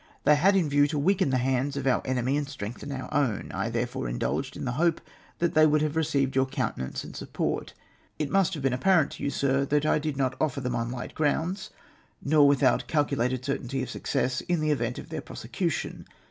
They had in view to weaken the hands of our enemy and strengthen our own. I therefore indulged in the hope that they would have received your countenance and support. " It must have been apparent to you, Sir, that I did not offer them on light grounds, nor without calculated certainty of success in the event of their prosecution.